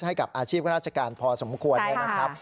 ให้กับอาชีพราชการพอสมควรนะครับ